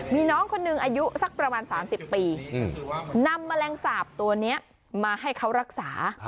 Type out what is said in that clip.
มีน้องคนหนึ่งอายุสักประมาณ๓๐ปีนำแมลงสาปตัวนี้มาให้เขารักษา